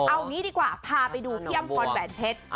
เอางี้ดีกว่าพาไปดูพี่อำพรแหวนเพชร